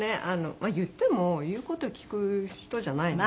まあ言っても言う事を聞く人じゃないので。